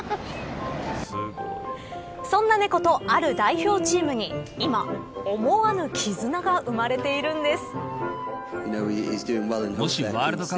そんな猫とある代表チームに今、思わぬ絆が生まれているんです。